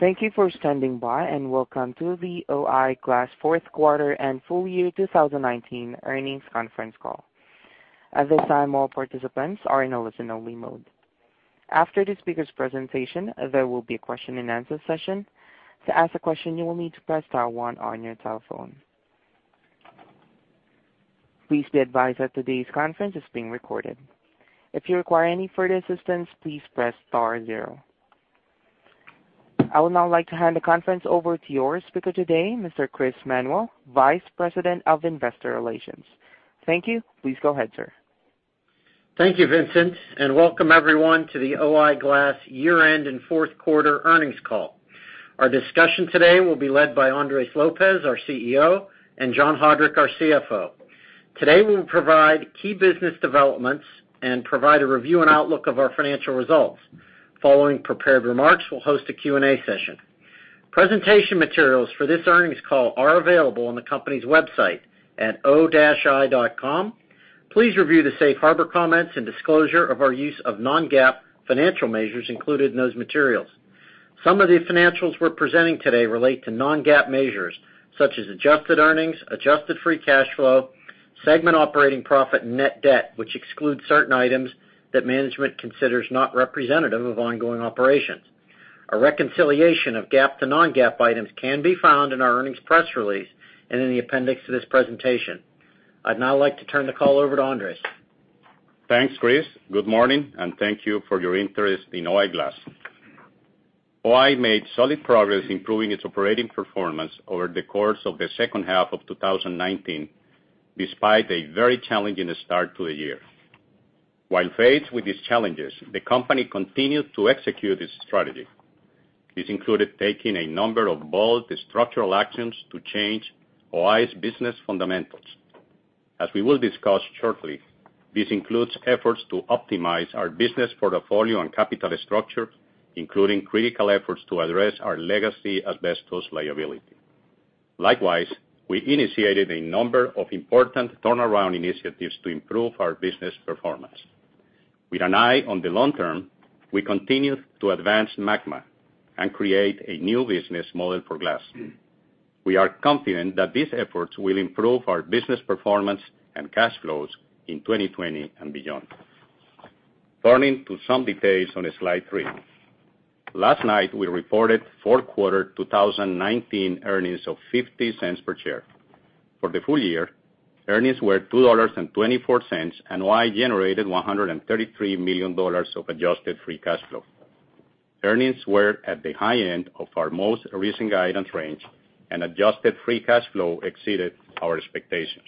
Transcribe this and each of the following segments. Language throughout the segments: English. Thank you for standing by, and welcome to the O-I Glass fourth quarter and full year 2019 earnings conference call. At this time, all participants are in a listen-only mode. After the speaker's presentation, there will be a question and answer session. To ask a question, you will need to press star one on your telephone. Please be advised that today's conference is being recorded. If you require any further assistance, please press star zero. I would now like to hand the conference over to your speaker today, Mr. Chris Manuel, Vice President of Investor Relations. Thank you. Please go ahead, sir. Thank you, Vincent, and welcome everyone to the O-I Glass year-end and fourth quarter earnings call. Our discussion today will be led by Andres Lopez, our CEO, and John Haudrich, our CFO. Today, we will provide key business developments and provide a review and outlook of our financial results. Following prepared remarks, we will host a Q&A session. Presentation materials for this earnings call are available on the company's website at o-i.com. Please review the safe harbor comments and disclosure of our use of non-GAAP financial measures included in those materials. Some of the financials we are presenting today relate to non-GAAP measures, such as adjusted earnings, adjusted free cash flow, segment operating profit, and net debt, which excludes certain items that management considers not representative of ongoing operations. A reconciliation of GAAP to non-GAAP items can be found in our earnings press release and in the appendix to this presentation. I would now like to turn the call over to Andres. Thanks, Chris. Good morning, and thank you for your interest in O-I Glass. O-I made solid progress improving its operating performance over the course of the second half of 2019, despite a very challenging start to the year. While faced with these challenges, the company continued to execute its strategy. This included taking a number of bold structural actions to change O-I's business fundamentals. As we will discuss shortly, this includes efforts to optimize our business portfolio and capital structure, including critical efforts to address our legacy asbestos liability. Likewise, we initiated a number of important turnaround initiatives to improve our business performance. With an eye on the long term, we continued to advance MAGMA and create a new business model for glass. We are confident that these efforts will improve our business performance and cash flows in 2020 and beyond. Turning to some details on slide three. Last night, we reported fourth quarter 2019 earnings of $0.50 per share. For the full year, earnings were $2.24, and O-I generated $133 million of adjusted free cash flow. Earnings were at the high end of our most recent guidance range, and adjusted free cash flow exceeded our expectations.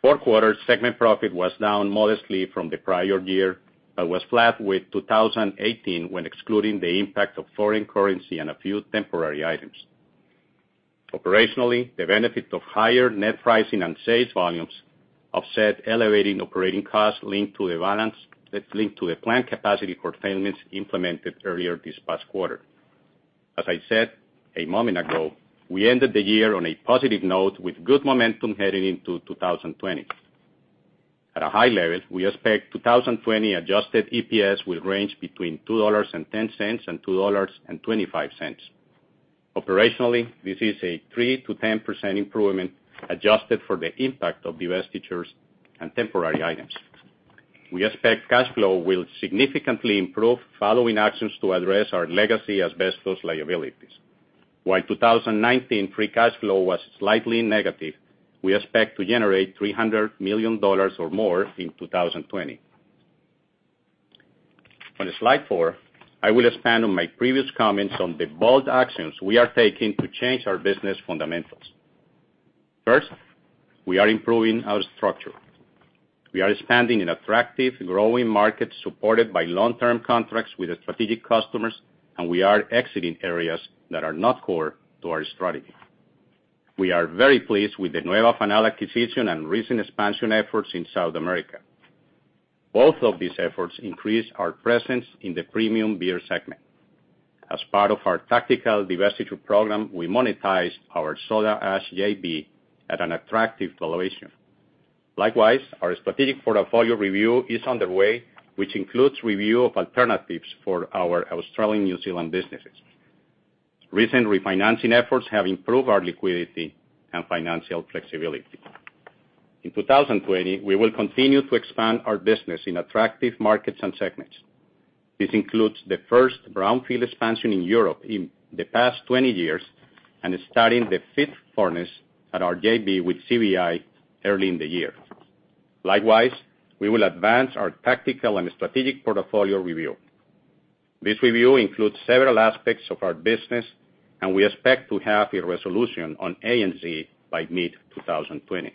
Fourth quarter segment profit was down modestly from the prior year, but was flat with 2018 when excluding the impact of foreign currency and a few temporary items. Operationally, the benefit of higher net pricing and sales volumes offset elevating operating costs linked to the plant capacity curtailments implemented earlier this past quarter. As I said a moment ago, we ended the year on a positive note with good momentum heading into 2020. At a high level, we expect 2020 adjusted EPS will range between $2.10 and $2.25. Operationally, this is a 3%-10% improvement adjusted for the impact of divestitures and temporary items. We expect cash flow will significantly improve following actions to address our legacy asbestos liabilities. While 2019 free cash flow was slightly negative, we expect to generate $300 million or more in 2020. On slide four, I will expand on my previous comments on the bold actions we are taking to change our business fundamentals. First, we are improving our structure. We are expanding in attractive growing markets supported by long-term contracts with strategic customers, and we are exiting areas that are not core to our strategy. We are very pleased with the Nueva Fanal acquisition and recent expansion efforts in South America. Both of these efforts increase our presence in the premium beer segment. As part of our tactical divestiture program, we monetized our Soda Ash JV at an attractive valuation. Likewise, our strategic portfolio review is underway, which includes review of alternatives for our Australian, New Zealand businesses. Recent refinancing efforts have improved our liquidity and financial flexibility. In 2020, we will continue to expand our business in attractive markets and segments. This includes the first brownfield expansion in Europe in the past 20 years and starting the fifth furnace at our JV with CVI early in the year. Likewise, we will advance our tactical and strategic portfolio review. This review includes several aspects of our business, and we expect to have a resolution on ANZ by mid-2020.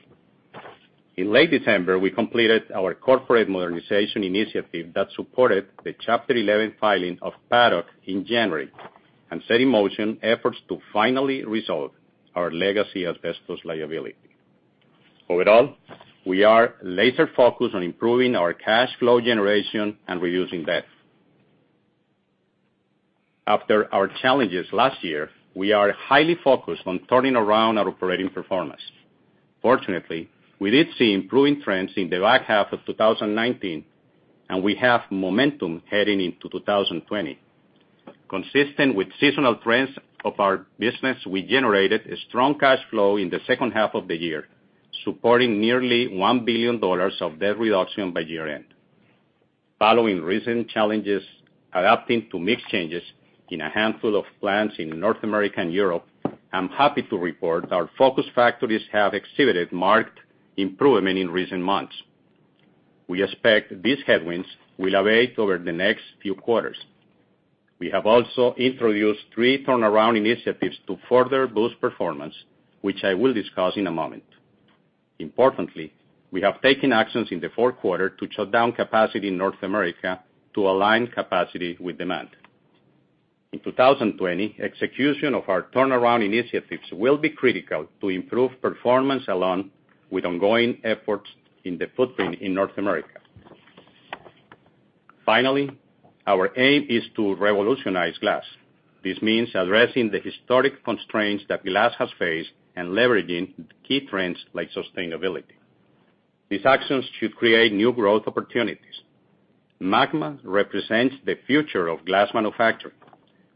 In late December, we completed our corporate modernization initiative that supported the Chapter 11 filing of Paddock in January and set in motion efforts to finally resolve our legacy asbestos liability. Overall, we are laser-focused on improving our cash flow generation and reducing debt. After our challenges last year, we are highly focused on turning around our operating performance. Fortunately, we did see improving trends in the back half of 2019, and we have momentum heading into 2020. Consistent with seasonal trends of our business, we generated a strong cash flow in the second half of the year, supporting nearly $1 billion of debt reduction by year-end. Following recent challenges adapting to mix changes in a handful of plants in North America and Europe, I'm happy to report our focus factories have exhibited marked improvement in recent months. We expect these headwinds will abate over the next few quarters. We have also introduced three turnaround initiatives to further boost performance, which I will discuss in a moment. Importantly, we have taken actions in the fourth quarter to shut down capacity in North America to align capacity with demand. In 2020, execution of our turnaround initiatives will be critical to improve performance along with ongoing efforts in the footprint in North America. Finally, our aim is to revolutionize glass. This means addressing the historic constraints that glass has faced and leveraging the key trends like sustainability. These actions should create new growth opportunities. MAGMA represents the future of glass manufacturing.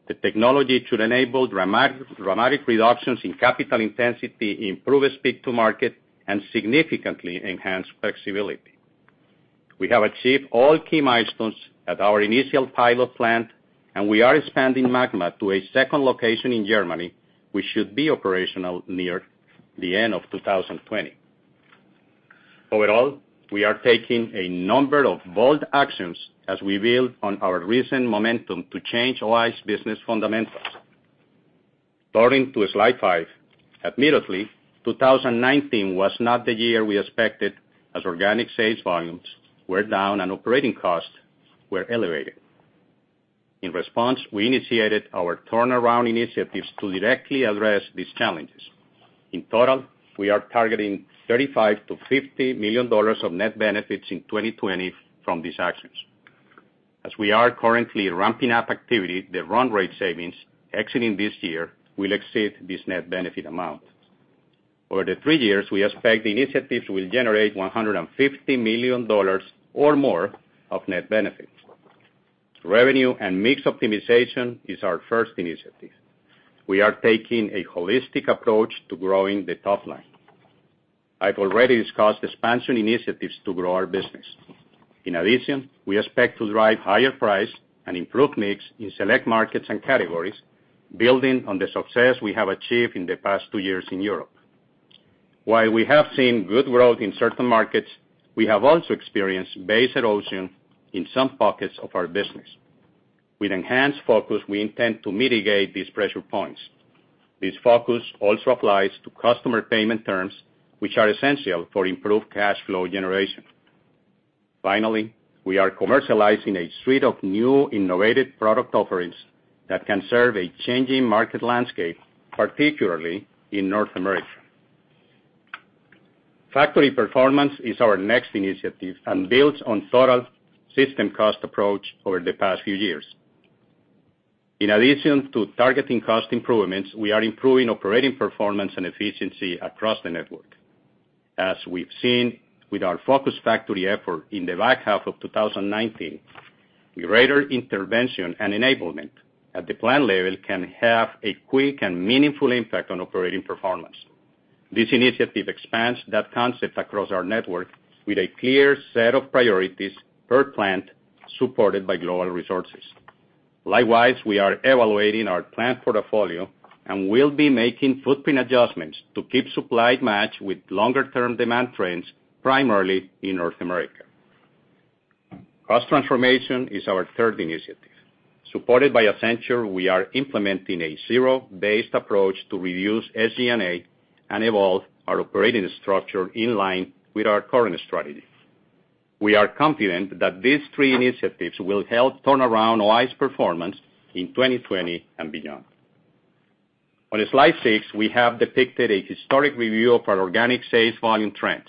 The technology should enable dramatic reductions in capital intensity, improve speed to market, and significantly enhance flexibility. We have achieved all key milestones at our initial pilot plant, and we are expanding MAGMA to a second location in Germany, which should be operational near the end of 2020. Overall, we are taking a number of bold actions as we build on our recent momentum to change O-I's business fundamentals. Turning to slide five. Admittedly, 2019 was not the year we expected, as organic sales volumes were down and operating costs were elevated. In response, we initiated our turnaround initiatives to directly address these challenges. In total, we are targeting $35 million-$50 million of net benefits in 2020 from these actions. As we are currently ramping up activity, the run rate savings exiting this year will exceed this net benefit amount. Over the three years, we expect the initiatives will generate $150 million or more of net benefits. Revenue and mix optimization is our first initiative. We are taking a holistic approach to growing the top line. I've already discussed expansion initiatives to grow our business. In addition, we expect to drive higher price and improve mix in select markets and categories, building on the success we have achieved in the past two years in Europe. While we have seen good growth in certain markets, we have also experienced base erosion in some pockets of our business. With enhanced focus, we intend to mitigate these pressure points. This focus also applies to customer payment terms, which are essential for improved cash flow generation. Finally, we are commercializing a suite of new innovative product offerings that can serve a changing market landscape, particularly in North America. Factory performance is our next initiative and builds on Total Systems Cost approach over the past few years. In addition to targeting cost improvements, we are improving operating performance and efficiency across the network. As we've seen with our focused factory effort in the back half of 2019, greater intervention and enablement at the plant level can have a quick and meaningful impact on operating performance. This initiative expands that concept across our network with a clear set of priorities per plant, supported by global resources. Likewise, we are evaluating our plant portfolio and will be making footprint adjustments to keep supply matched with longer-term demand trends, primarily in North America. Cost transformation is our third initiative. Supported by Accenture, we are implementing a zero-based approach to reduce SG&A and evolve our operating structure in line with our current strategy. We are confident that these three initiatives will help turn around O-I's performance in 2020 and beyond. On slide six, we have depicted a historic review of our organic sales volume trends.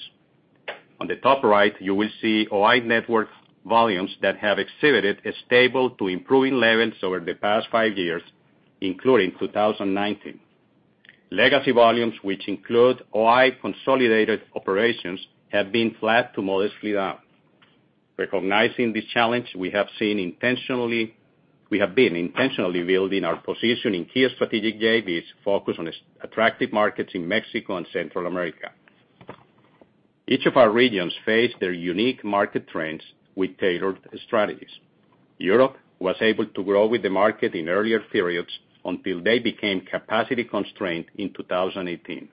On the top right, you will see O-I network volumes that have exhibited a stable to improving levels over the past five years, including 2019. Legacy volumes, which include O-I consolidated operations, have been flat to modestly down. Recognizing this challenge, we have been intentionally building our position in key strategic JVs focused on attractive markets in Mexico and Central America. Each of our regions face their unique market trends with tailored strategies. Europe was able to grow with the market in earlier periods until they became capacity constrained in 2018.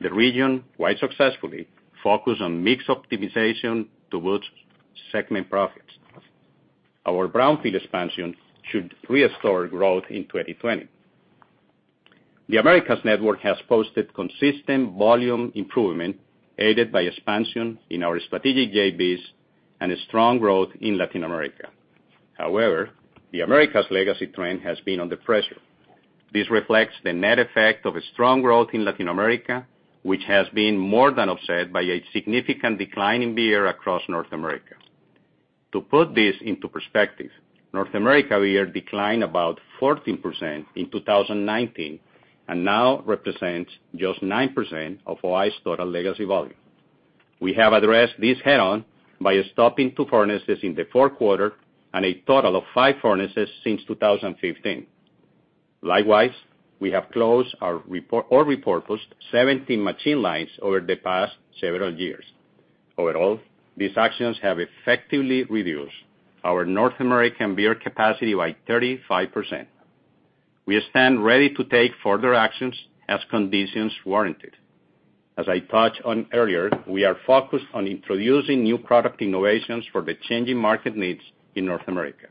The region, quite successfully, focused on mix optimization towards segment profits. Our brownfield expansion should restore growth in 2020. The Americas network has posted consistent volume improvement, aided by expansion in our strategic JVs and a strong growth in Latin America. The Americas legacy trend has been under pressure. This reflects the net effect of a strong growth in Latin America, which has been more than offset by a significant decline in beer across North America. To put this into perspective, North America beer declined about 14% in 2019, and now represents just 9% of O-I's total legacy volume. We have addressed this head-on by stopping two furnaces in the fourth quarter, and a total of five furnaces since 2015. Likewise, we have closed or repurposed 17 machine lines over the past several years. Overall, these actions have effectively reduced our North American beer capacity by 35%. We stand ready to take further actions as conditions warranted. As I touched on earlier, we are focused on introducing new product innovations for the changing market needs in North America.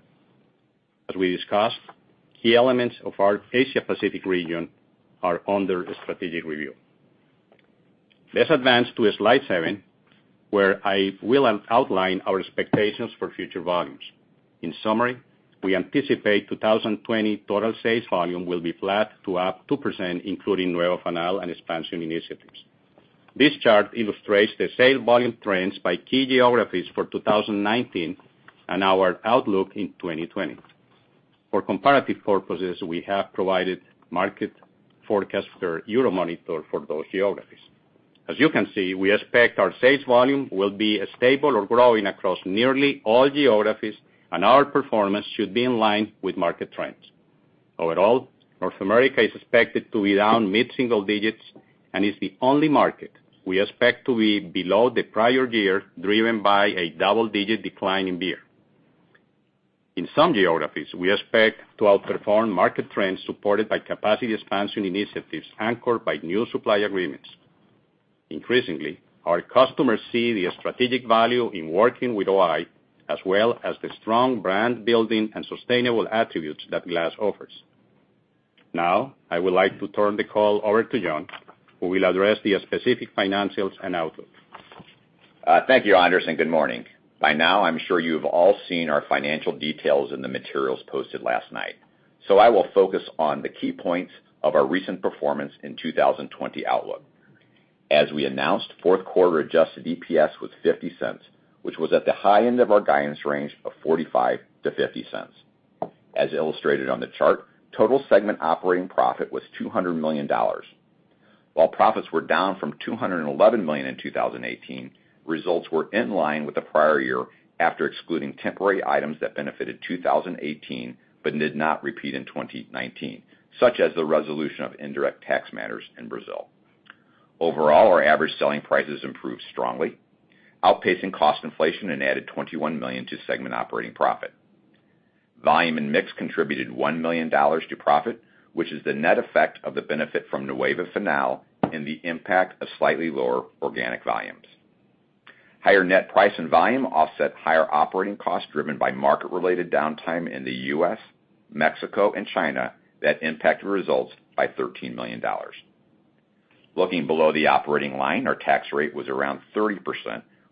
As we discussed, key elements of our Asia-Pacific region are under strategic review. Let's advance to slide seven, where I will outline our expectations for future volumes. We anticipate 2020 total sales volume will be flat to up 2%, including Nueva Fanal and expansion initiatives. This chart illustrates the sale volume trends by key geographies for 2019, and our outlook in 2020. For comparative purposes, we have provided market forecast for Euromonitor for those geographies. We expect our sales volume will be stable or growing across nearly all geographies, and our performance should be in line with market trends. North America is expected to be down mid-single digits, and is the only market we expect to be below the prior year, driven by a double-digit decline in beer. In some geographies, we expect to outperform market trends supported by capacity expansion initiatives anchored by new supply agreements. Increasingly, our customers see the strategic value in working with O-I, as well as the strong brand-building and sustainable attributes that glass offers. I would like to turn the call over to John, who will address the specific financials and outlook. Thank you, Andres, and good morning. By now, I'm sure you've all seen our financial details in the materials posted last night. I will focus on the key points of our recent performance in 2020 outlook. As we announced, fourth quarter adjusted EPS was $0.50, which was at the high end of our guidance range of $0.45-$0.50. As illustrated on the chart, total segment operating profit was $200 million. While profits were down from $211 million in 2018, results were in line with the prior year after excluding temporary items that benefited 2018, but did not repeat in 2019, such as the resolution of indirect tax matters in Brazil. Overall, our average selling prices improved strongly, outpacing cost inflation and added $21 million to segment operating profit. Volume and mix contributed $1 million to profit, which is the net effect of the benefit from Nueva Fanal and the impact of slightly lower organic volumes. Higher net price and volume offset higher operating costs driven by market-related downtime in the U.S., Mexico, and China that impacted results by $13 million. Looking below the operating line, our tax rate was around 30%,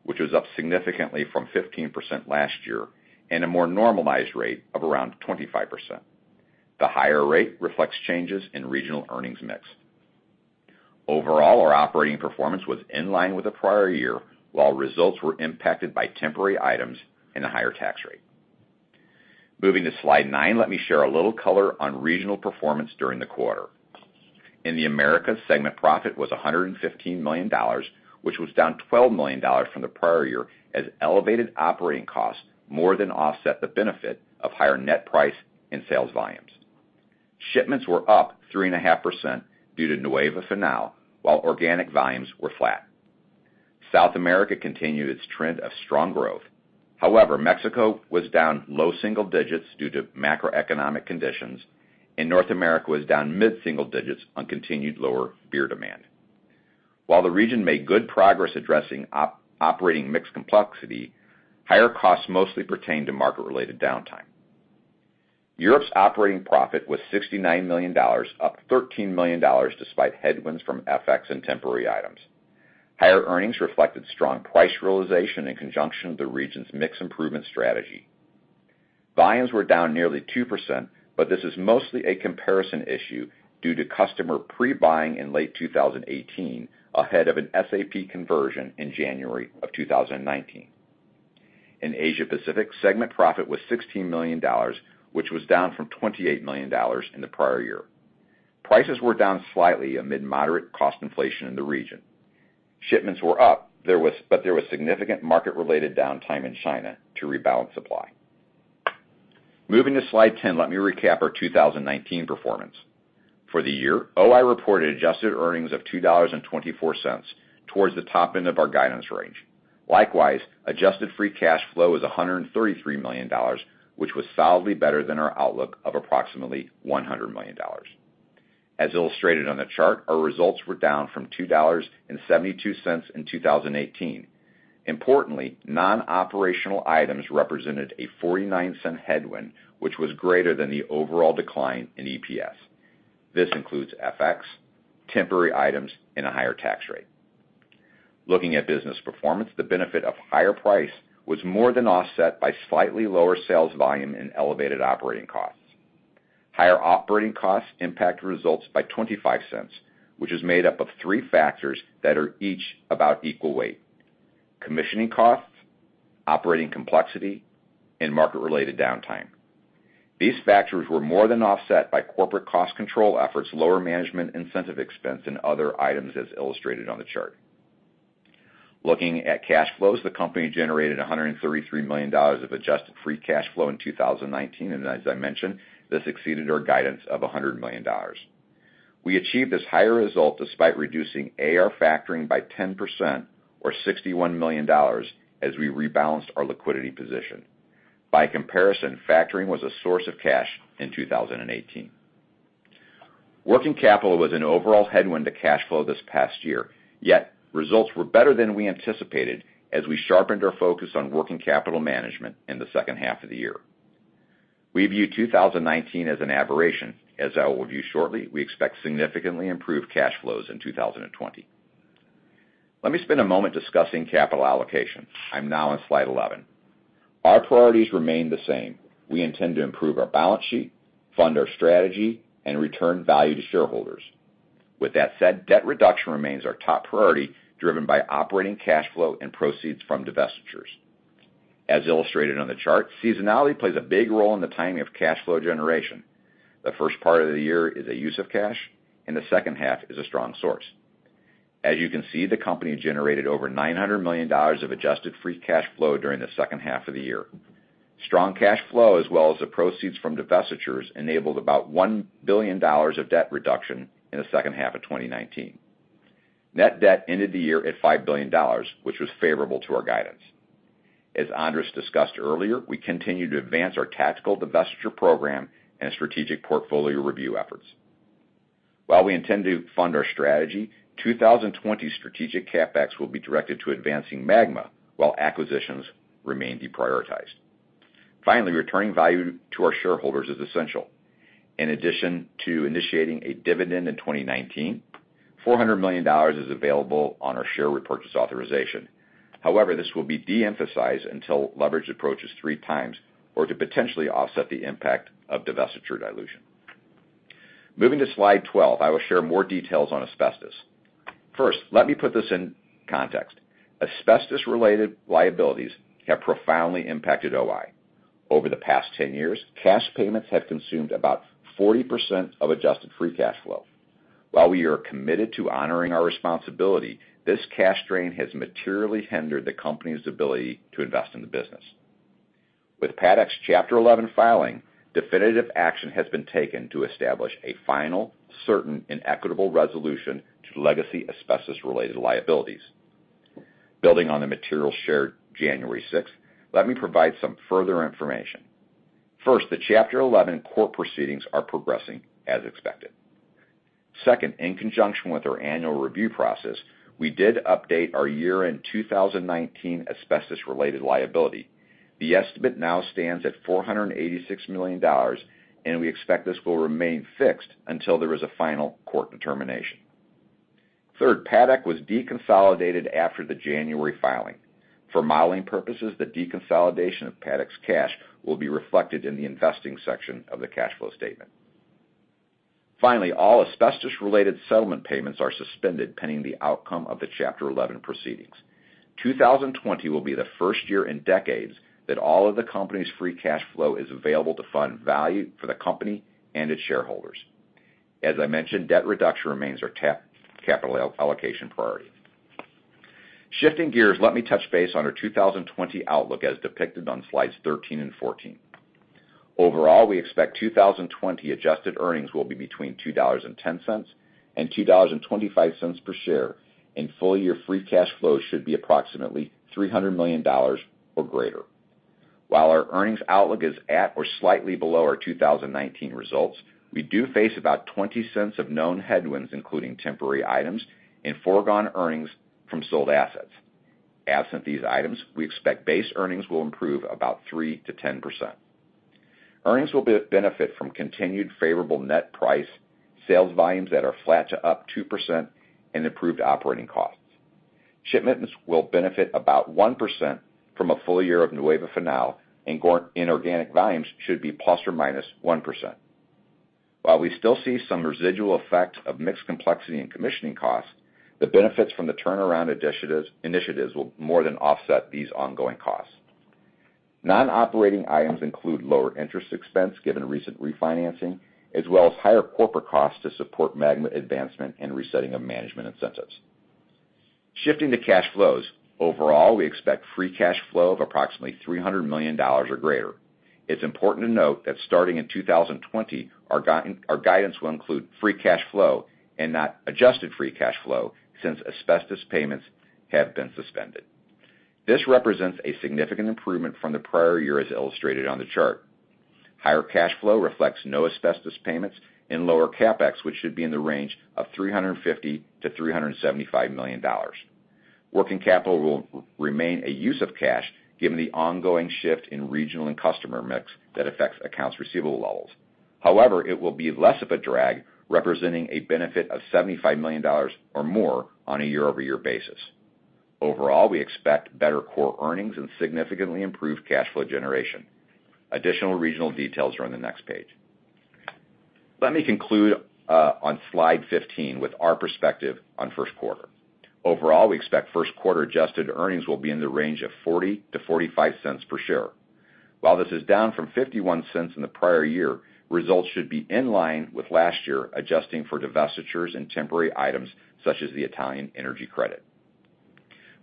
which was up significantly from 15% last year, and a more normalized rate of around 25%. The higher rate reflects changes in regional earnings mix. Overall, our operating performance was in line with the prior year, while results were impacted by temporary items and a higher tax rate. Moving to slide nine, let me share a little color on regional performance during the quarter. In the Americas, segment profit was $115 million, which was down $12 million from the prior year as elevated operating costs more than offset the benefit of higher net price and sales volumes. Shipments were up 3.5% due to Nueva Fanal, while organic volumes were flat. South America continued its trend of strong growth. However, Mexico was down low single digits due to macroeconomic conditions, and North America was down mid-single digits on continued lower beer demand. While the region made good progress addressing operating mix complexity, higher costs mostly pertained to market-related downtime. Europe's operating profit was $69 million, up $13 million despite headwinds from FX and temporary items. Higher earnings reflected strong price realization in conjunction with the region's mix improvement strategy. Volumes were down nearly 2%, but this is mostly a comparison issue due to customer pre-buying in late 2018 ahead of an SAP conversion in January of 2019. In Asia-Pacific, segment profit was $16 million, which was down from $28 million in the prior year. Prices were down slightly amid moderate cost inflation in the region. Shipments were up, but there was significant market-related downtime in China to rebalance supply. Moving to slide 10, let me recap our 2019 performance. For the year, O-I reported adjusted earnings of $2.24, towards the top end of our guidance range. Likewise, adjusted free cash flow is $133 million, which was solidly better than our outlook of approximately $100 million. As illustrated on the chart, our results were down from $2.72 in 2018. Importantly, non-operational items represented a $0.49 headwind, which was greater than the overall decline in EPS. This includes FX, temporary items, and a higher tax rate. Looking at business performance, the benefit of higher price was more than offset by slightly lower sales volume and elevated operating costs. Higher operating costs impacted results by $0.25, which is made up of three factors that are each about equal weight: commissioning costs, operating complexity, and market-related downtime. These factors were more than offset by corporate cost control efforts, lower management incentive expense, and other items as illustrated on the chart. Looking at cash flows, the company generated $133 million of adjusted free cash flow in 2019. As I mentioned, this exceeded our guidance of $100 million. We achieved this higher result despite reducing AR factoring by 10% or $61 million as we rebalanced our liquidity position. By comparison, factoring was a source of cash in 2018. Working capital was an overall headwind to cash flow this past year, yet results were better than we anticipated as we sharpened our focus on working capital management in the second half of the year. We view 2019 as an aberration. As I will review shortly, we expect significantly improved cash flows in 2020. Let me spend a moment discussing capital allocation. I'm now on slide 11. Our priorities remain the same. We intend to improve our balance sheet, fund our strategy, and return value to shareholders. With that said, debt reduction remains our top priority, driven by operating cash flow and proceeds from divestitures. As illustrated on the chart, seasonality plays a big role in the timing of cash flow generation. The first part of the year is a use of cash, and the second half is a strong source. As you can see, the company generated over $900 million of adjusted free cash flow during the second half of the year. Strong cash flow, as well as the proceeds from divestitures, enabled about $1 billion of debt reduction in the second half of 2019. Net debt ended the year at $5 billion, which was favorable to our guidance. As Andres discussed earlier, we continue to advance our tactical divestiture program and strategic portfolio review efforts. While we intend to fund our strategy, 2020 strategic CapEx will be directed to advancing MAGMA while acquisitions remain deprioritized. Finally, returning value to our shareholders is essential. In addition to initiating a dividend in 2019, $400 million is available on our share repurchase authorization. However, this will be de-emphasized until leverage approaches three times or to potentially offset the impact of divestiture dilution. Moving to slide 12, I will share more details on asbestos. First, let me put this in context. Asbestos-related liabilities have profoundly impacted O-I. Over the past 10 years, cash payments have consumed about 40% of adjusted free cash flow. While we are committed to honoring our responsibility, this cash drain has materially hindered the company's ability to invest in the business. With Paddock's Chapter 11 filing, definitive action has been taken to establish a final, certain, and equitable resolution to legacy asbestos-related liabilities. Building on the material shared January 6th, let me provide some further information. First, the Chapter 11 court proceedings are progressing as expected. Second, in conjunction with our annual review process, we did update our year-end 2019 asbestos-related liability. The estimate now stands at $486 million. We expect this will remain fixed until there is a final court determination. Third, Paddock was deconsolidated after the January filing. For modeling purposes, the deconsolidation of Paddock's cash will be reflected in the investing section of the cash flow statement. Finally, all asbestos-related settlement payments are suspended pending the outcome of the Chapter 11 proceedings. 2020 will be the first year in decades that all of the company's free cash flow is available to fund value for the company and its shareholders. As I mentioned, debt reduction remains our capital allocation priority. Shifting gears, let me touch base on our 2020 outlook as depicted on slides 13 and 14. Overall, we expect 2020 adjusted earnings will be between $2.10 and $2.25 per share, and full-year free cash flow should be approximately $300 million or greater. While our earnings outlook is at or slightly below our 2019 results, we do face about $0.20 of known headwinds, including temporary items and foregone earnings from sold assets. Absent these items, we expect base earnings will improve about 3%-10%. Earnings will benefit from continued favorable net price, sales volumes that are flat to up 2%, and improved operating costs. Shipments will benefit about 1% from a full year of Nueva Fanal, and organic volumes should be ±1%. While we still see some residual effects of mix complexity and commissioning costs, the benefits from the turnaround initiatives will more than offset these ongoing costs. Non-operating items include lower interest expense, given recent refinancing, as well as higher corporate costs to support MAGMA advancement and resetting of management incentives. Shifting to cash flows, overall, we expect free cash flow of approximately $300 million or greater. It's important to note that starting in 2020, our guidance will include free cash flow and not adjusted free cash flow since asbestos payments have been suspended. This represents a significant improvement from the prior year as illustrated on the chart. Higher cash flow reflects no asbestos payments and lower CapEx, which should be in the range of $350 million-$375 million. Working capital will remain a use of cash given the ongoing shift in regional and customer mix that affects accounts receivable levels. However, it will be less of a drag, representing a benefit of $75 million or more on a year-over-year basis. Overall, we expect better core earnings and significantly improved cash flow generation. Additional regional details are on the next page. Let me conclude on slide 15 with our perspective on first quarter. Overall, we expect first quarter adjusted earnings will be in the range of $0.40-$0.45 per share. While this is down from $0.51 in the prior year, results should be in line with last year, adjusting for divestitures and temporary items such as the Italian energy credit.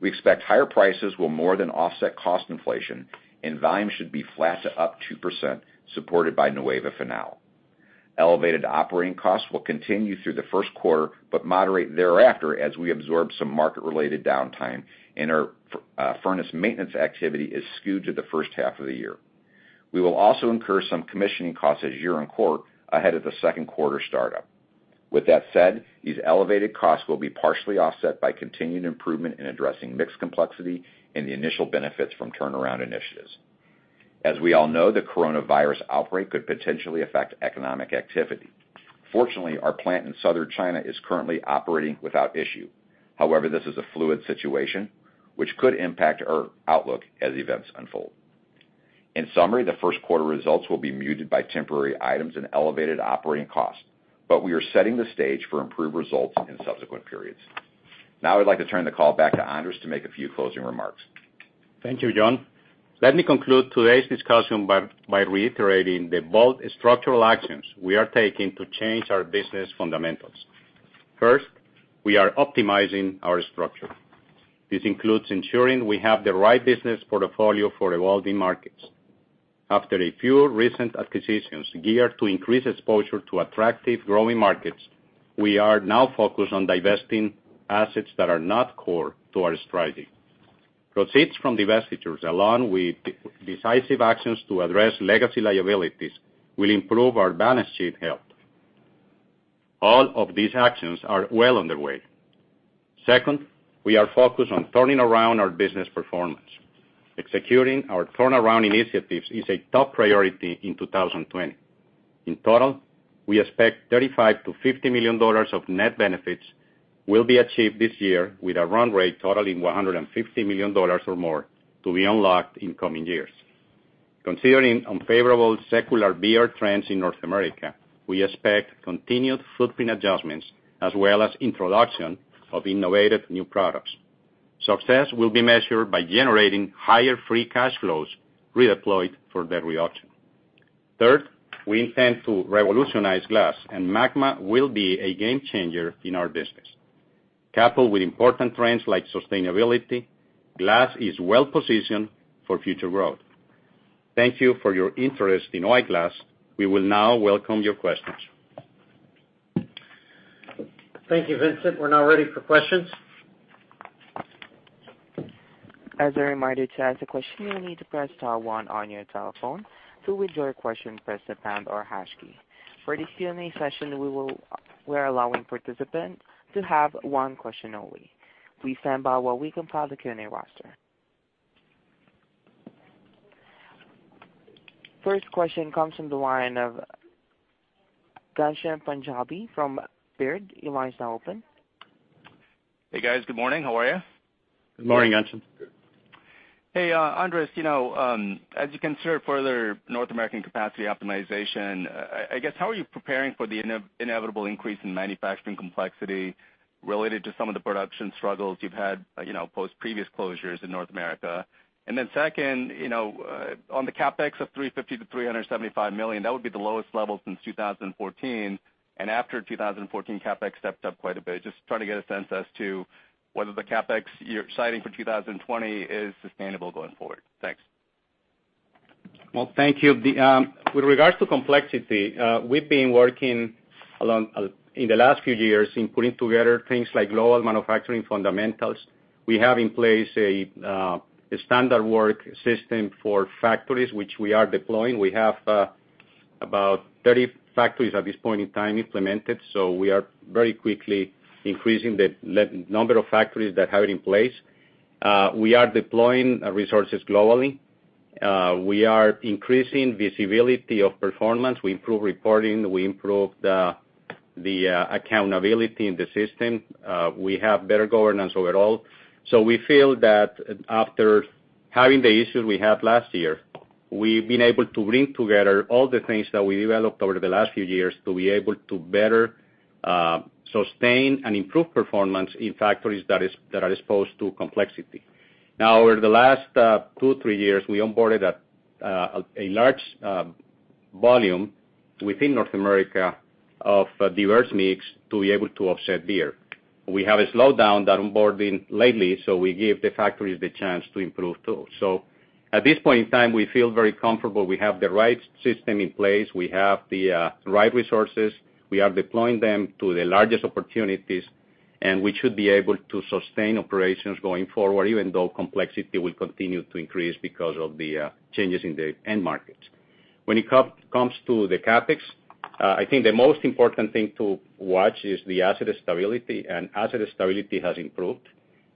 We expect higher prices will more than offset cost inflation, and volume should be flat to up 2%, supported by Nueva Fanal. Elevated operating costs will continue through the first quarter, but moderate thereafter as we absorb some market-related downtime and our furnace maintenance activity is skewed to the first half of the year. We will also incur some commissioning costs at Gironcourt ahead of the second quarter startup. These elevated costs will be partially offset by continued improvement in addressing mix complexity and the initial benefits from turnaround initiatives. As we all know, the coronavirus outbreak could potentially affect economic activity. Fortunately, our plant in southern China is currently operating without issue. However, this is a fluid situation, which could impact our outlook as events unfold. In summary, the first quarter results will be muted by temporary items and elevated operating costs. We are setting the stage for improved results in subsequent periods. Now I'd like to turn the call back to Andres to make a few closing remarks. Thank you, John. Let me conclude today's discussion by reiterating the bold structural actions we are taking to change our business fundamentals. First, we are optimizing our structure. This includes ensuring we have the right business portfolio for evolving markets. After a few recent acquisitions geared to increase exposure to attractive growing markets, we are now focused on divesting assets that are not core to our strategy. Proceeds from divestitures, along with decisive actions to address legacy liabilities, will improve our balance sheet health. All of these actions are well underway. Second, we are focused on turning around our business performance. Executing our turnaround initiatives is a top priority in 2020. In total, we expect $35 million-$50 million of net benefits will be achieved this year with a run rate totaling $150 million or more to be unlocked in coming years. Considering unfavorable secular beer trends in North America, we expect continued footprint adjustments as well as introduction of innovative new products. Success will be measured by generating higher free cash flows redeployed for the reaction. Third, we intend to revolutionize glass, and MAGMA will be a game changer in our business. Coupled with important trends like sustainability, glass is well-positioned for future growth. Thank you for your interest in O-I Glass. We will now welcome your questions. Thank you, Vincent. We are now ready for questions. As a reminder, to ask a question, you need to press star one on your telephone. To withdraw your question, press the pound or hash key. For this Q&A session, we are allowing participants to have one question only. Please stand by while we compile the Q&A roster. First question comes from the line of Ghansham Panjabi from Baird. Your line is now open. Hey, guys. Good morning. How are you? Good morning, Ghansham. Hey, Andres. As you consider further North American capacity optimization, I guess, how are you preparing for the inevitable increase in manufacturing complexity related to some of the production struggles you've had post previous closures in North America? Second, on the CapEx of $350 million-$375 million, that would be the lowest level since 2014. After 2014, CapEx stepped up quite a bit. Just trying to get a sense as to whether the CapEx you're citing for 2020 is sustainable going forward. Thanks. Well, thank you. With regards to complexity, we've been working in the last few years in putting together things like lower manufacturing fundamentals. We have in place a standard work system for factories, which we are deploying. We have about 30 factories at this point in time implemented, we are very quickly increasing the number of factories that have it in place. We are deploying resources globally. We are increasing visibility of performance. We improve reporting, we improve the accountability in the system. We have better governance overall. We feel that after having the issues we had last year, we've been able to bring together all the things that we developed over the last few years to be able to better sustain and improve performance in factories that are exposed to complexity. Over the last two, three years, we onboarded a large volume within North America of diverse mix to be able to offset beer. We have a slowdown that onboarding lately, we give the factories the chance to improve too. At this point in time, we feel very comfortable. We have the right system in place. We have the right resources. We are deploying them to the largest opportunities, and we should be able to sustain operations going forward, even though complexity will continue to increase because of the changes in the end markets. When it comes to the CapEx, I think the most important thing to watch is the asset stability, and asset stability has improved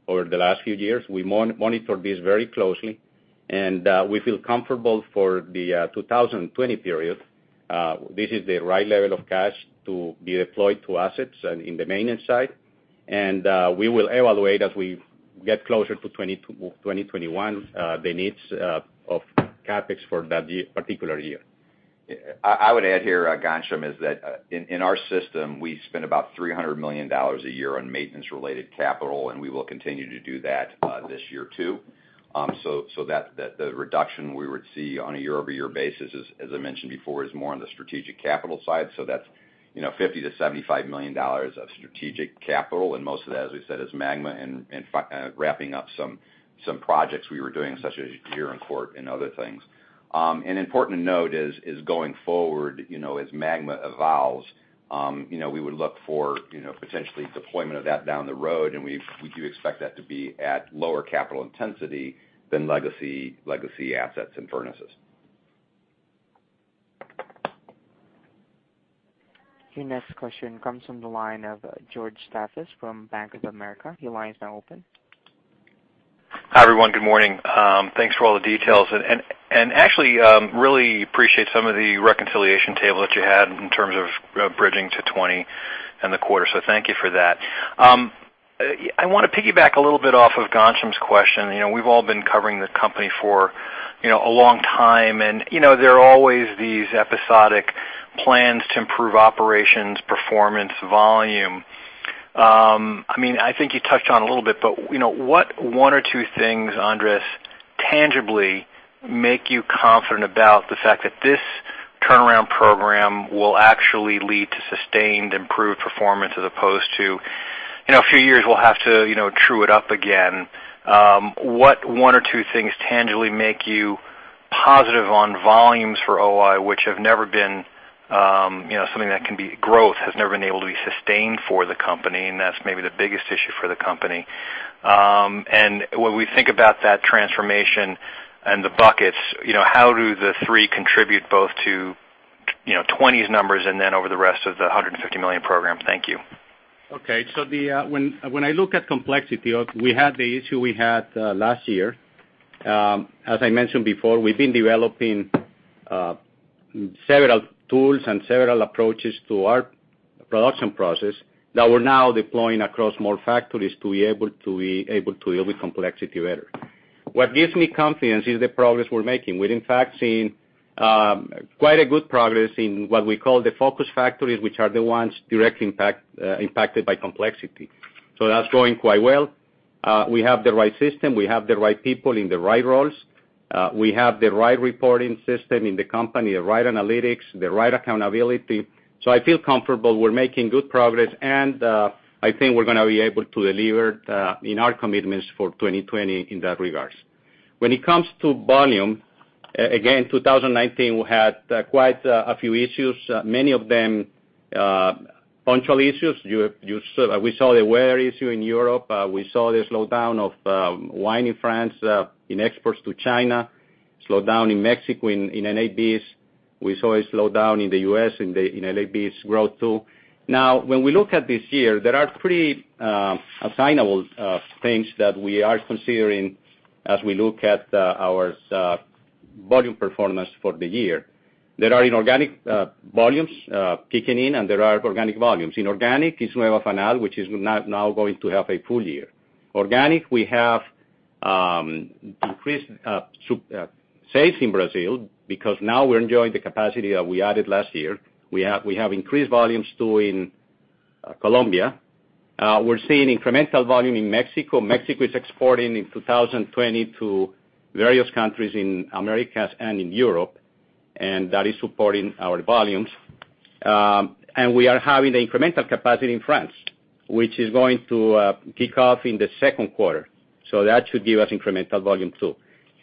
over the last few years. We monitor this very closely, and we feel comfortable for the 2020 period. This is the right level of cash to be deployed to assets in the maintenance side. We will evaluate as we get closer to 2021, the needs of CapEx for that particular year. I would add here, Ghansham, is that in our system, we spend about $300 million a year on maintenance-related capital, and we will continue to do that this year, too. The reduction we would see on a year-over-year basis, as I mentioned before, is more on the strategic capital side. That's $50 million-$75 million of strategic capital, and most of that, as we said, is MAGMA and wrapping up some projects we were doing, such as Gironcourt and other things. An important note is going forward, as MAGMA evolves, we would look for potentially deployment of that down the road, and we do expect that to be at lower capital intensity than legacy assets and furnaces. Your next question comes from the line of George Staphos from Bank of America. Your line is now open. Hi, everyone. Good morning. Thanks for all the details. Actually, really appreciate some of the reconciliation table that you had in terms of bridging to 2020 and the quarter. Thank you for that. I want to piggyback a little bit off of Ghansham's question. We've all been covering the company for a long time. There are always these episodic plans to improve operations, performance, volume. I think you touched on it a little bit, but what one or two things, Andres, tangibly make you confident about the fact that this turnaround program will actually lead to sustained, improved performance as opposed to in a few years, we'll have to true it up again? What one or two things tangibly make you positive on volumes for O-I, which growth has never been able to be sustained for the company. That's maybe the biggest issue for the company. When we think about that transformation and the buckets, how do the three contribute both to 2020's numbers and then over the rest of the $150 million program? Thank you. Okay. When I look at complexity, we had the issue we had last year. As I mentioned before, we've been developing several tools and several approaches to our production process that we're now deploying across more factories to be able to deal with complexity better. What gives me confidence is the progress we're making. We're in fact seeing quite a good progress in what we call the focus factories, which are the ones directly impacted by complexity. That's going quite well. We have the right system. We have the right people in the right roles. We have the right reporting system in the company, the right analytics, the right accountability. I feel comfortable we're making good progress. I think we're going to be able to deliver in our commitments for 2020 in that regards. When it comes to volume, again, 2019, we had quite a few issues, many of them punctual issues. We saw the weather issue in Europe. We saw the slowdown of wine in France, in exports to China, slowdown in Mexico in NABs. We saw a slowdown in the U.S. in NABs growth, too. When we look at this year, there are pretty assignable things that we are considering as we look at our volume performance for the year. There are inorganic volumes kicking in, and there are organic volumes. Inorganic is Nueva Fanal, which is now going to have a full year. Organic, we have increased sales in Brazil because now we're enjoying the capacity that we added last year. We have increased volumes, too, in Colombia. We're seeing incremental volume in Mexico. Mexico is exporting in 2020 to various countries in Americas and in Europe, that is supporting our volumes. We are having the incremental capacity in France, which is going to kick off in the second quarter. That should give us incremental volume, too.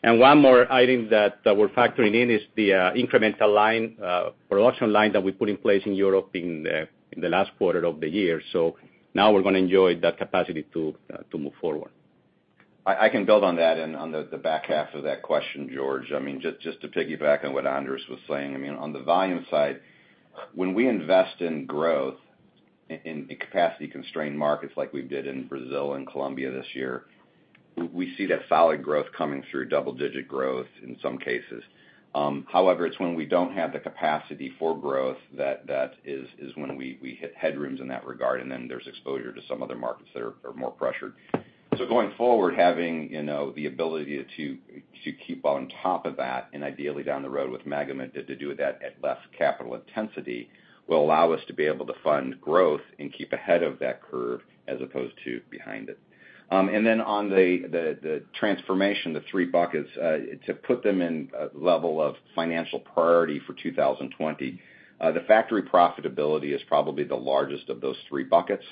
One more item that we're factoring in is the incremental production line that we put in place in Europe in the last quarter of the year. Now we're going to enjoy that capacity to move forward. I can build on that and on the back half of that question, George. Just to piggyback on what Andres was saying, on the volume side, when we invest in growth in capacity-constrained markets like we did in Brazil and Colombia this year, we see that solid growth coming through, double-digit growth in some cases. However, it's when we don't have the capacity for growth that is when we hit headrooms in that regard, and then there's exposure to some other markets that are more pressured. Going forward, having the ability to keep on top of that and ideally down the road with MAGMA to do that at less capital intensity will allow us to be able to fund growth and keep ahead of that curve as opposed to behind it. On the transformation, the three buckets, to put them in a level of financial priority for 2020, the factory profitability is probably the largest of those three buckets.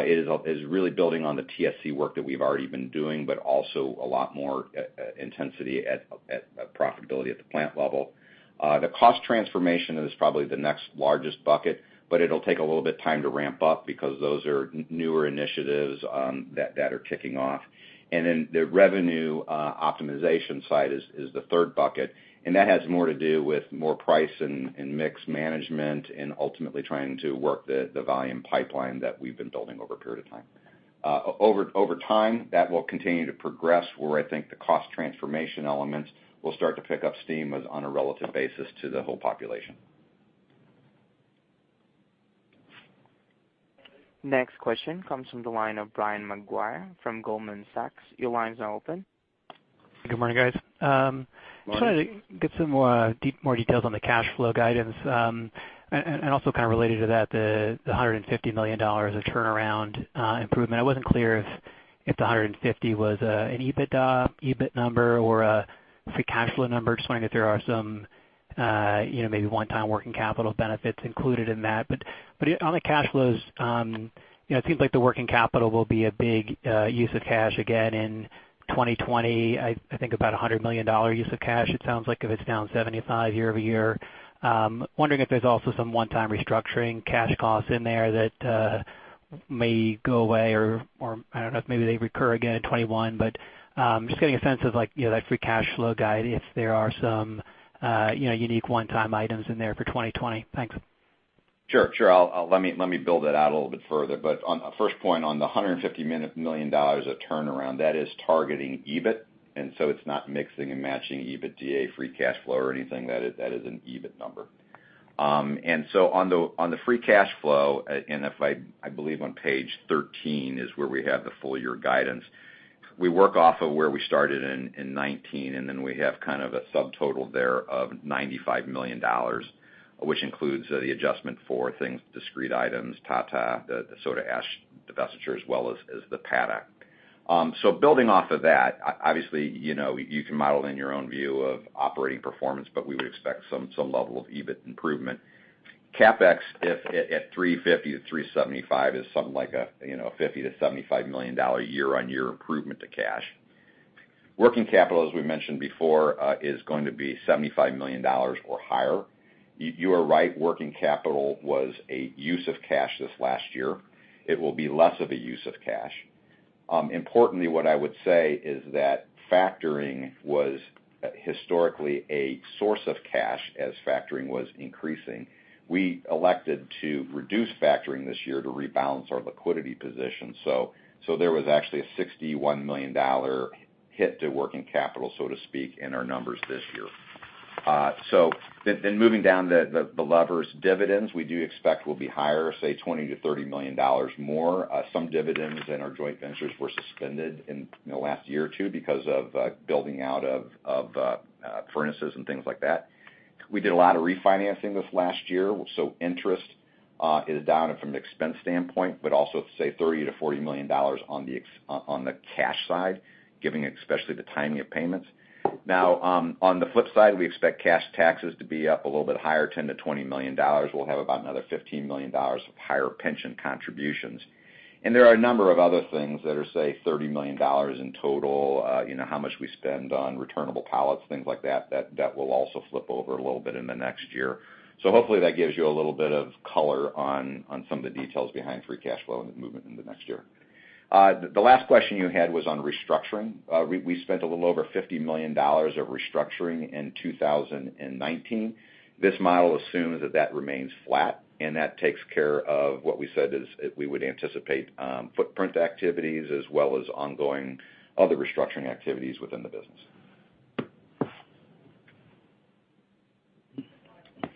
It is really building on the TSC work that we've already been doing, but also a lot more intensity at profitability at the plant level. The cost transformation is probably the next largest bucket, but it'll take a little bit time to ramp up because those are newer initiatives that are kicking off. The revenue optimization side is the third bucket, and that has more to do with more price and mix management and ultimately trying to work the volume pipeline that we've been building over a period of time. Over time, that will continue to progress, where I think the cost transformation elements will start to pick up steam on a relative basis to the whole population. Next question comes from the line of Brian Maguire from Goldman Sachs. Your line is now open. Good morning, guys. Morning. Just wanted to get some more details on the cash flow guidance. Also kind of related to that, the $150 million of turnaround improvement. I wasn't clear if the 150 was an EBITDA, EBIT number, or a free cash flow number, just wondering if there are some maybe one-time working capital benefits included in that. On the cash flows, it seems like the working capital will be a big use of cash again in 2020, I think about $100 million use of cash, it sounds like, if it's down 75 year-over-year. I'm wondering if there's also some one-time restructuring cash costs in there that may go away, or I don't know if maybe they recur again in 2021. Just getting a sense of that free cash flow guide, if there are some unique one-time items in there for 2020. Thanks. Sure. Let me build that out a little bit further. On the first point, on the $150 million of turnaround, that is targeting EBIT, so it's not mixing and matching EBITDA, free cash flow, or anything. That is an EBIT number. On the free cash flow, and I believe on page 13 is where we have the full-year guidance. We work off of where we started in 2019, then we have kind of a subtotal there of $95 million, which includes the adjustment for things, discrete items, Tata, the Soda Ash divestiture, as well as the Paddock. Building off of that, obviously, you can model in your own view of operating performance, but we would expect some level of EBIT improvement. CapEx, if at $350 million to $375 million is something like a $50 million to $75 million year-on-year improvement to cash. Working capital, as we mentioned before, is going to be $75 million or higher. You are right, working capital was a use of cash this last year. It will be less of a use of cash. Importantly, what I would say is that factoring was historically a source of cash as factoring was increasing. We elected to reduce factoring this year to rebalance our liquidity position. There was actually a $61 million hit to working capital, so to speak, in our numbers this year. Moving down the levers, dividends, we do expect will be higher, say $20 million to $30 million more. Some dividends in our joint ventures were suspended in the last year or two because of building out of furnaces and things like that. We did a lot of refinancing this last year, interest is down from an expense standpoint, but also say $30 million to $40 million on the cash side, given especially the timing of payments. On the flip side, we expect cash taxes to be up a little bit higher, $10 million to $20 million. We'll have about another $15 million of higher pension contributions. There are a number of other things that are, say, $30 million in total, how much we spend on returnable pallets, things like that will also flip over a little bit in the next year. Hopefully that gives you a little bit of color on some of the details behind free cash flow and the movement in the next year. The last question you had was on restructuring. We spent a little over $50 million of restructuring in 2019. This model assumes that that remains flat, that takes care of what we said is we would anticipate footprint activities as well as ongoing other restructuring activities within the business.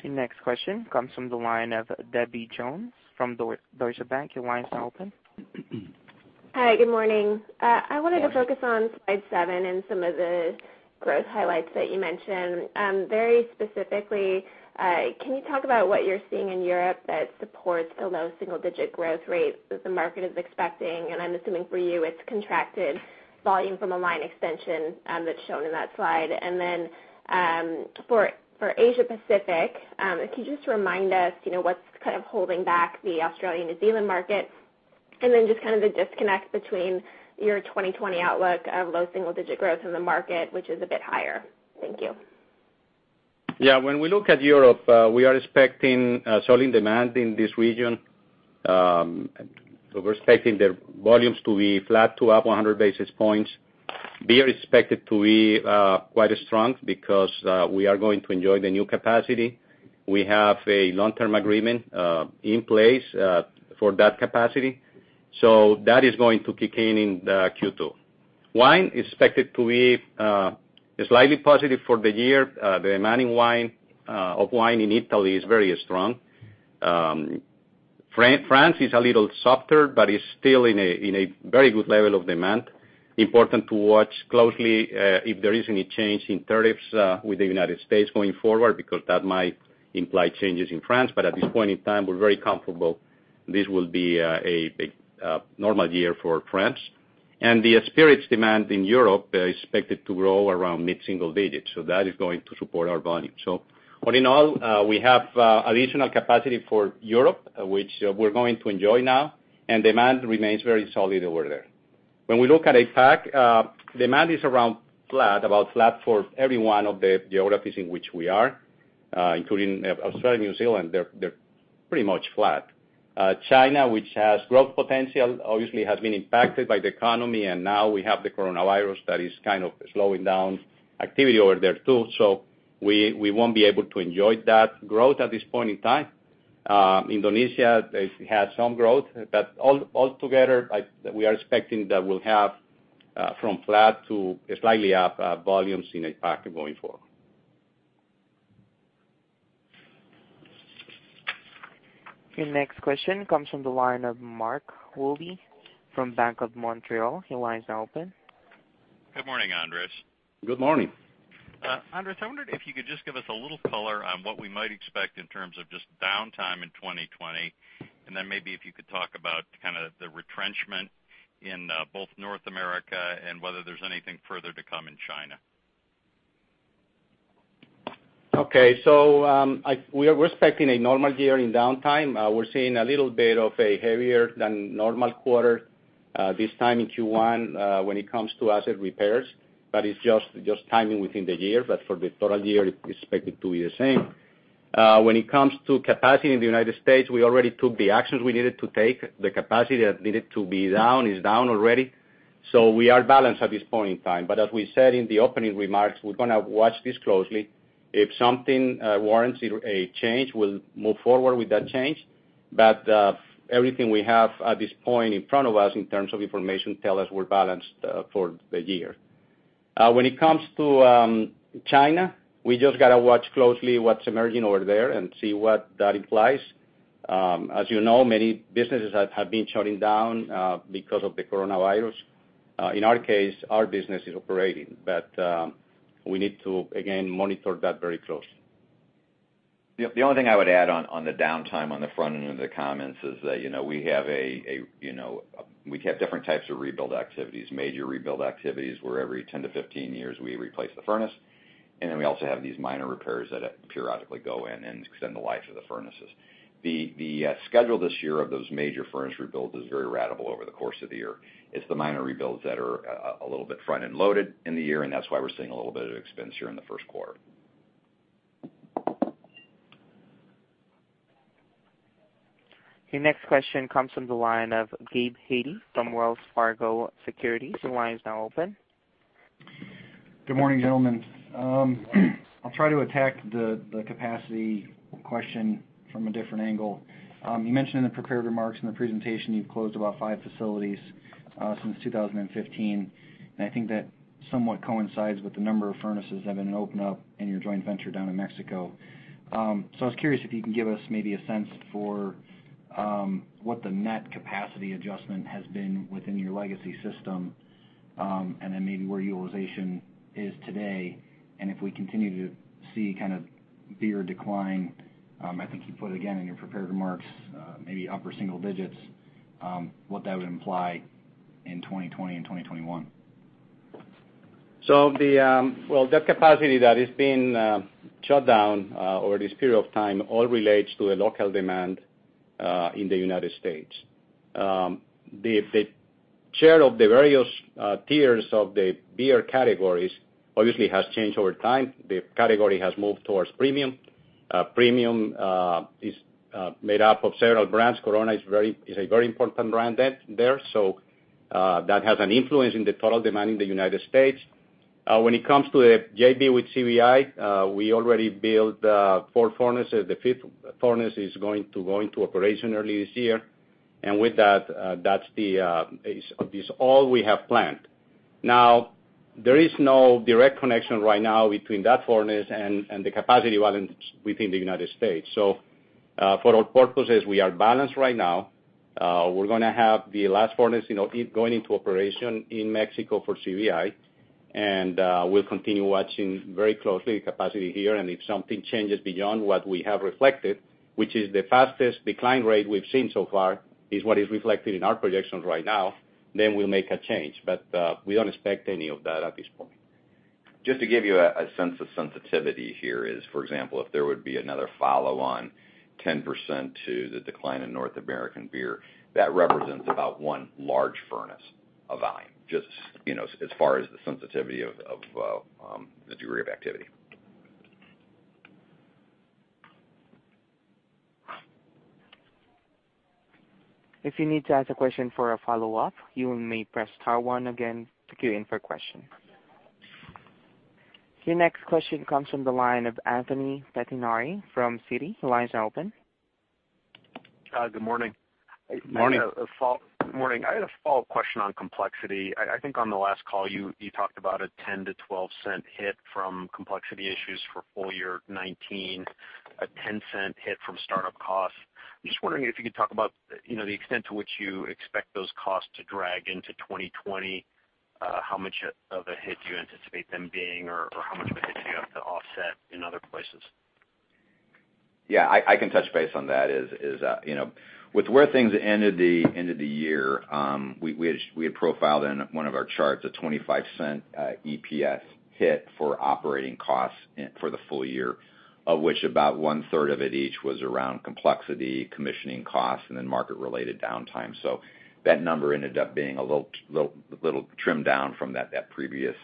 The next question comes from the line of Debbie Jones from Deutsche Bank. Your line is now open. Hi, good morning. I wanted to focus on slide seven and some of the growth highlights that you mentioned. Very specifically, can you talk about what you're seeing in Europe that supports a low single-digit growth rate that the market is expecting? I'm assuming for you, it's contracted volume from a line extension that's shown in that slide. For Asia Pacific, can you just remind us what's kind of holding back the Australian and New Zealand markets? Just kind of the disconnect between your 2020 outlook of low single-digit growth in the market, which is a bit higher. Thank you. Yeah. When we look at Europe, we are expecting selling demand in this region. We're expecting the volumes to be flat to up 100 basis points. Beer is expected to be quite strong because we are going to enjoy the new capacity. We have a long-term agreement in place for that capacity. That is going to kick in in Q2. Wine is expected to be slightly positive for the year. The demand of wine in Italy is very strong. France is a little softer, but is still in a very good level of demand. Important to watch closely if there is any change in tariffs with the U.S. going forward, because that might imply changes in France. At this point in time, we're very comfortable this will be a normal year for France. The spirits demand in Europe is expected to grow around mid-single-digits. That is going to support our volume. All in all, we have additional capacity for Europe, which we're going to enjoy now, and demand remains very solid over there. When we look at APAC, demand is around flat, about flat for every one of the geographies in which we are, including Australia and New Zealand, they're pretty much flat. China, which has growth potential, obviously has been impacted by the economy, and now we have the coronavirus that is kind of slowing down activity over there, too. We won't be able to enjoy that growth at this point in time. Indonesia, they had some growth, all together, we are expecting that we'll have from flat to slightly up volumes in APAC going forward. Your next question comes from the line of Mark Wilde from Bank of Montreal. Your line is now open. Good morning, Andres. Good morning. Andres, I wondered if you could just give us a little color on what we might expect in terms of just downtime in 2020, and then maybe if you could talk about kind of the retrenchment in both North America and whether there's anything further to come in China. Okay. We're expecting a normal year in downtime. We're seeing a little bit of a heavier than normal quarter, this time in Q1, when it comes to asset repairs, but it's just timing within the year. For the total year, it's expected to be the same. When it comes to capacity in the United States, we already took the actions we needed to take. The capacity that needed to be down is down already. We are balanced at this point in time. As we said in the opening remarks, we're going to watch this closely. If something warrants a change, we'll move forward with that change. Everything we have at this point in front of us in terms of information tells us we're balanced for the year. When it comes to China, we just got to watch closely what's emerging over there and see what that implies. As you know, many businesses have been shutting down because of the coronavirus. In our case, our business is operating, we need to, again, monitor that very closely. The only thing I would add on the downtime on the front end of the comments is that we have different types of rebuild activities, major rebuild activities, where every 10 to 15 years we replace the furnace. We also have these minor repairs that periodically go in and extend the life of the furnaces. The schedule this year of those major furnace rebuilds is very ratable over the course of the year. It's the minor rebuilds that are a little bit front-end loaded in the year, that's why we're seeing a little bit of expense here in the first quarter. Okay. Next question comes from the line of Gabe Hajde from Wells Fargo Securities. Your line is now open. Good morning, gentlemen. I'll try to attack the capacity question from a different angle. You mentioned in the prepared remarks in the presentation you've closed about five facilities since 2015, and I think that somewhat coincides with the number of furnaces that have been opened up in your joint venture down in Mexico. I was curious if you can give us maybe a sense for what the net capacity adjustment has been within your legacy system, and then maybe where utilization is today, and if we continue to see kind of beer decline, I think you put it again in your prepared remarks, maybe upper single digits, what that would imply in 2020 and 2021. Well, that capacity that is being shut down over this period of time all relates to a local demand in the U.S. The share of the various tiers of the beer categories obviously has changed over time. The category has moved towards premium. Premium is made up of several brands. Corona is a very important brand there. That has an influence in the total demand in the U.S. When it comes to the JV with CVI, we already built four furnaces. The fifth furnace is going to go into operation early this year. With that's all we have planned. Now, there is no direct connection right now between that furnace and the capacity within the U.S. For our purposes, we are balanced right now. We're going to have the last furnace going into operation in Mexico for CVI, and we'll continue watching very closely capacity here and if something changes beyond what we have reflected, which is the fastest decline rate we've seen so far is what is reflected in our projections right now, then we'll make a change. We don't expect any of that at this point. Just to give you a sense of sensitivity here is, for example, if there would be another follow on 10% to the decline in North American beer, that represents about one large furnace of volume, just as far as the sensitivity of the degree of activity. If you need to ask a question for a follow-up, you may press star one again to queue in for a question. Your next question comes from the line of Anthony Pettinari from Citi. The line is now open. Good morning. Morning. Morning. I had a follow-up question on complexity. I think on the last call, you talked about a $0.10-$0.12 hit from complexity issues for full year 2019, a $0.10 hit from startup costs. I'm just wondering if you could talk about the extent to which you expect those costs to drag into 2020, how much of a hit do you anticipate them being, or how much of a hit do you have to offset in other places? Yeah, I can touch base on that is, with where things ended the year, we had profiled in one of our charts a $0.25 EPS hit for operating costs for the full year, of which about one-third of it each was around complexity, commissioning costs, and market-related downtime. That number ended up being a little trimmed down from that previous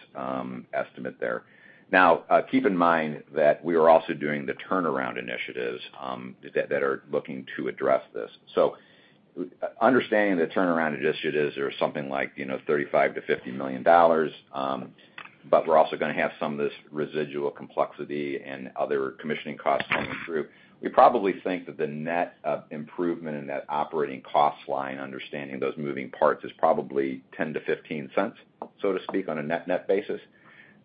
estimate there. Now, keep in mind that we are also doing the turnaround initiatives that are looking to address this. Understanding the turnaround initiatives are something like $35 million-$50 million. We're also going to have some of this residual complexity and other commissioning costs coming through. We probably think that the net improvement in that operating cost line, understanding those moving parts, is probably $0.10-$0.15, so to speak, on a net-net basis.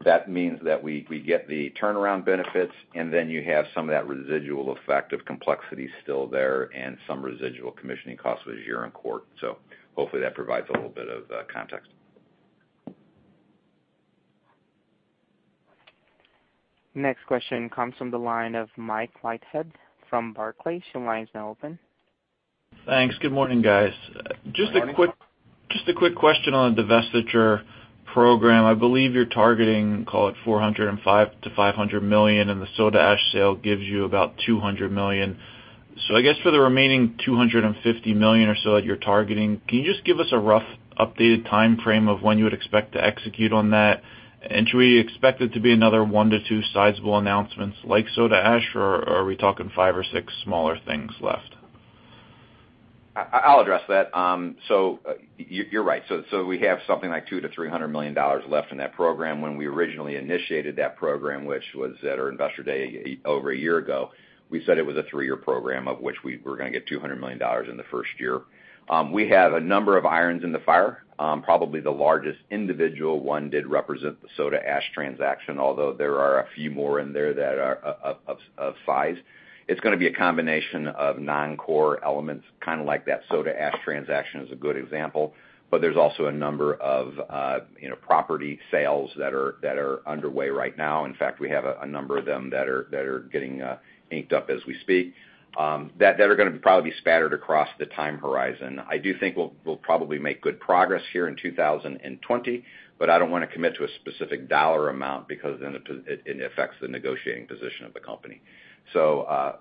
That means that we get the turnaround benefits, and then you have some of that residual effect of complexity still there and some residual commissioning costs with Gironcourt. Hopefully that provides a little bit of context. Next question comes from the line of Michael Leithead from Barclays. Your line is now open. Thanks. Good morning, guys. Good morning. Just a quick question on the divestiture program. I believe you're targeting, call it $405 million-$500 million, and the soda ash sale gives you about $200 million. I guess for the remaining $250 million or so that you're targeting, can you just give us a rough updated timeframe of when you would expect to execute on that? Should we expect it to be another 1-2 sizable announcements like soda ash, or are we talking 5 or 6 smaller things left? I'll address that. You're right. We have something like $200 million-$300 million left in that program. When we originally initiated that program, which was at our investor day over a year ago, we said it was a three-year program, of which we were going to get $200 million in the first year. We have a number of irons in the fire. Probably the largest individual one did represent the soda ash transaction, although there are a few more in there that are of size. It's going to be a combination of non-core elements, kind of like that soda ash transaction is a good example, but there's also a number of property sales that are underway right now. In fact, we have a number of them that are getting inked up as we speak, that are going to probably be spattered across the time horizon. I do think we'll probably make good progress here in 2020, but I don't want to commit to a specific dollar amount because then it affects the negotiating position of the company.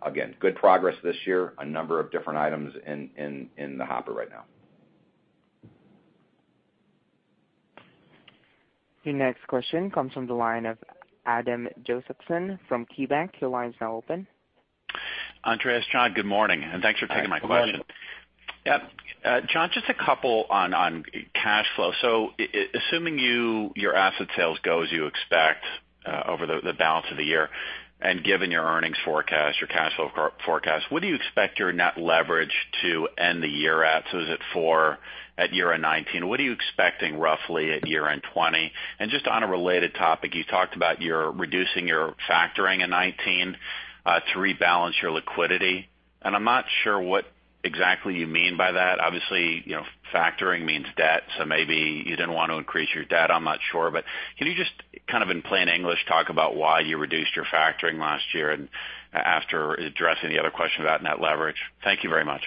Again, good progress this year. A number of different items in the hopper right now. The next question comes from the line of Adam Josephson from KeyBank. Your line is now open. Andres, John, good morning, and thanks for taking my question. Good morning. Yeah. John, just a couple on cash flow. Assuming your asset sales go as you expect over the balance of the year, and given your earnings forecast, your cash flow forecast, what do you expect your net leverage to end the year at? Is it 4 at year-end 2019? What are you expecting roughly at year-end 2020? Just on a related topic, you talked about reducing your factoring in 2019 to rebalance your liquidity, and I'm not sure what exactly you mean by that. Obviously, factoring means debt, so maybe you didn't want to increase your debt, I'm not sure. Can you just kind of in plain English talk about why you reduced your factoring last year, and after addressing the other question about net leverage? Thank you very much.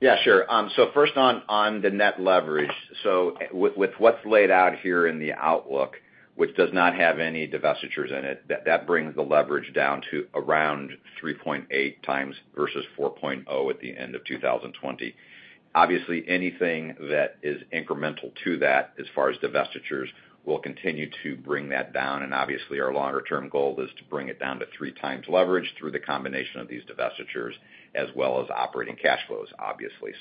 Yeah, sure. First on the net leverage. With what's laid out here in the outlook, which does not have any divestitures in it, that brings the leverage down to around 3.8 times versus 4.0 at the end of 2020. Obviously, anything that is incremental to that as far as divestitures will continue to bring that down, and obviously our longer-term goal is to bring it down to 3 times leverage through the combination of these divestitures as well as operating cash flows, obviously.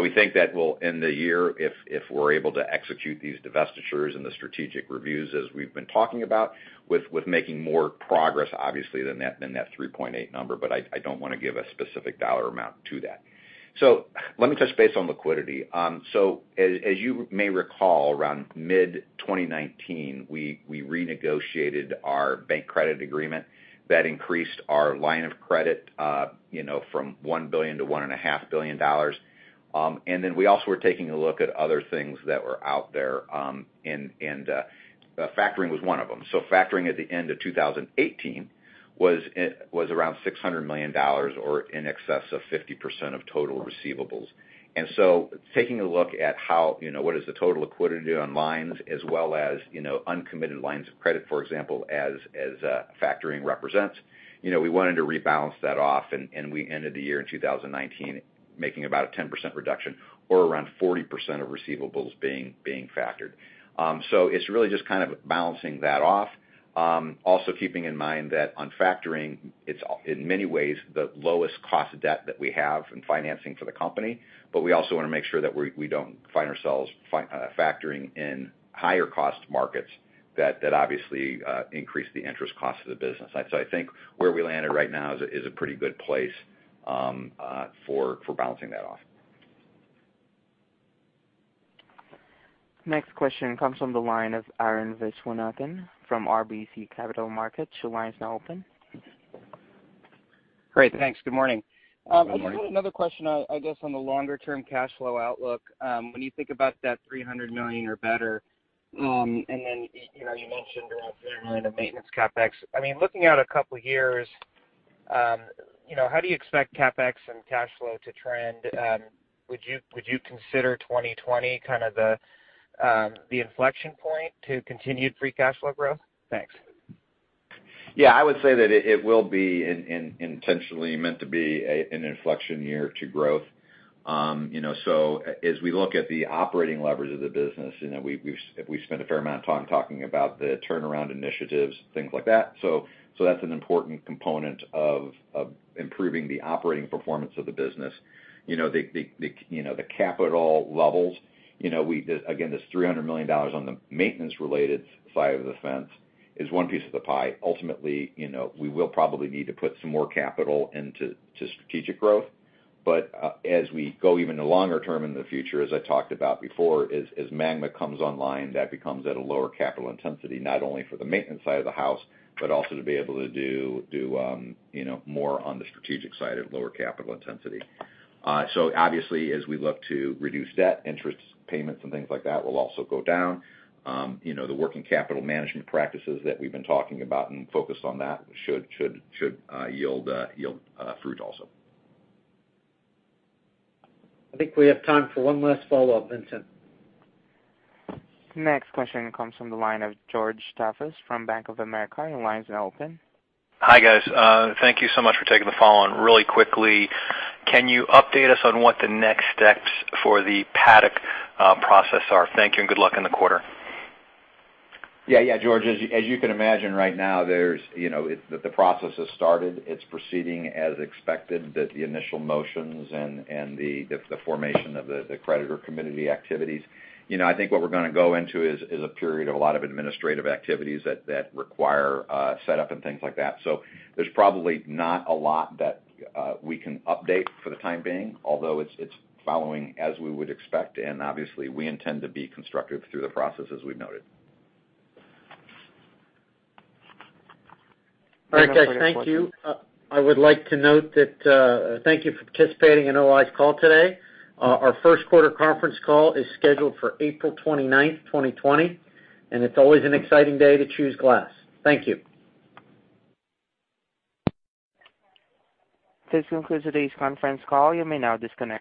We think that we'll end the year, if we're able to execute these divestitures and the strategic reviews as we've been talking about, with making more progress, obviously than that 3.8 number, but I don't want to give a specific dollar amount to that. Let me touch base on liquidity. As you may recall, around mid-2019, we renegotiated our bank credit agreement. That increased our line of credit from $1 billion to $1.5 billion. We also were taking a look at other things that were out there, and factoring was one of them. Factoring at the end of 2018 was around $600 million or in excess of 50% of total receivables. Taking a look at what is the total liquidity on lines as well as uncommitted lines of credit, for example, as factoring represents, we wanted to rebalance that off, and we ended the year in 2019 making about a 10% reduction or around 40% of receivables being factored. It's really just kind of balancing that off. Also keeping in mind that on factoring, it's in many ways the lowest cost of debt that we have in financing for the company, but we also want to make sure that we don't find ourselves factoring in higher cost markets that obviously increase the interest cost of the business. I think where we landed right now is a pretty good place for balancing that off. Next question comes from the line of Arun Viswanathan from RBC Capital Markets. Your line is now open. Great, thanks. Good morning. Good morning. I've got another question, I guess, on the longer term cash flow outlook. When you think about that $300 million or better, and then you mentioned around $30 million of maintenance CapEx. Looking out a couple of years, how do you expect CapEx and cash flow to trend? Would you consider 2020 kind of the inflection point to continued free cash flow growth? Thanks. Yeah, I would say that it will be intentionally meant to be an inflection year to growth. As we look at the operating leverage of the business, we've spent a fair amount of time talking about the turnaround initiatives, things like that. That's an important component of improving the operating performance of the business. The capital levels. Again, this $300 million on the maintenance related side of the fence is one piece of the pie. Ultimately, we will probably need to put some more capital into strategic growth. As we go even longer term in the future, as I talked about before, as MAGMA comes online, that becomes at a lower capital intensity, not only for the maintenance side of the house, but also to be able to do more on the strategic side at lower capital intensity. Obviously, as we look to reduce debt, interest payments and things like that will also go down. The working capital management practices that we've been talking about and focused on that should yield fruit also. I think we have time for one last follow-up, Vincent. Next question comes from the line of George Staphos from Bank of America. Your line is now open. Hi, guys. Thank you so much for taking the follow-on. Really quickly, can you update us on what the next steps for the Paddock process are? Thank you, and good luck in the quarter. Yeah, George, as you can imagine right now, the process has started. It's proceeding as expected that the initial motions and the formation of the creditor committee activities. I think what we're going to go into is a period of a lot of administrative activities that require setup and things like that. There's probably not a lot that we can update for the time being, although it's following as we would expect. Obviously, we intend to be constructive through the process as we've noted. All right, guys. Thank you. I would like to note thank you for participating in O-I's call today. Our first quarter conference call is scheduled for April 29th, 2020, and it is always an exciting day to choose glass. Thank you. This concludes today's conference call. You may now disconnect.